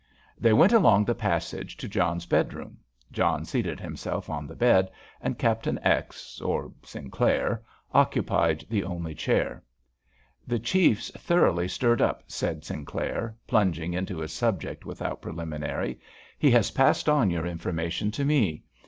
They went along the passage to John's bedroom. John seated himself on the bed, and Captain X. or Sinclair occupied the only chair. "The Chief's thoroughly stirred up," said Sinclair, plunging into his subject without preliminary. "He has passed on your information to me.